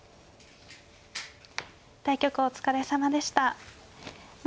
対局お疲れさまでした。